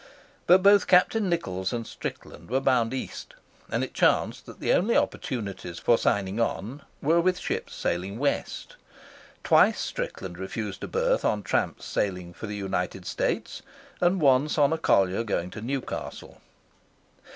But both Captain Nichols and Strickland were bound East, and it chanced that the only opportunities for signing on were with ships sailing West. Twice Strickland refused a berth on tramps sailing for the United States, and once on a collier going to Newcastle.